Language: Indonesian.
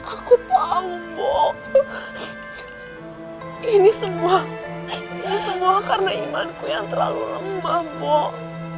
aku tahu mbok ini semua karena imanku yang terlalu lembah mbok